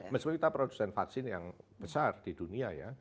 meskipun kita produsen vaksin yang besar di dunia ya